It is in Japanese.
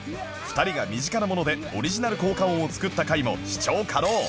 ２人が身近なものでオリジナル効果音を作った回も視聴可能